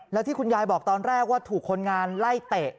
แล้วที่คุณยายบอกตอนแรกว่าถูกคนงานไล่เตะ